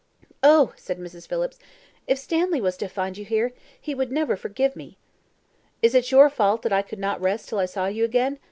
"Oh!" said Mrs. Phillips, "if Stanley was to find you here, he would never forgive me." "Is it your fault that I could not rest till I saw you again?